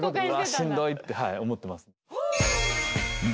しんどいって思ってます。